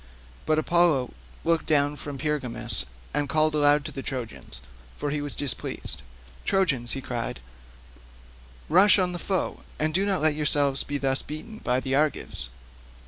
But Apollo looked down from Pergamus and called aloud to the Trojans, for he was displeased. "Trojans," he cried, "rush on the foe, and do not let yourselves be thus beaten by the Argives.